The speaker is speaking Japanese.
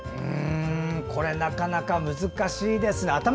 これなかなか難しいですね。